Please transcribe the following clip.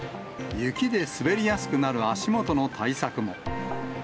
雪で滑りやすくなる足元の対策も。